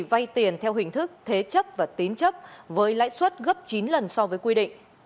vay tiền theo hình thức thế chấp và tín chấp với lãi suất gấp chín lần so với quy định